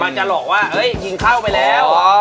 จะหลอกว่าเฮ้ยยิงเข้าไปแล้ว